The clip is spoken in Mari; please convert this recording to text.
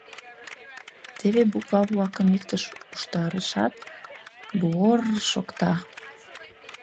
Теве буква-влакым иктыш уштарышат, бы-о-о-р-р шокта.